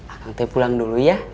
akang teh pulang dulu ya